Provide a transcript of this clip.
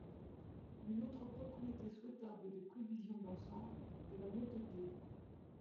Une autre propriété souhaitable des prévisions d'ensemble est la netteté.